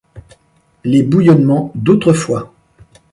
Les bouillonnements d’autrefois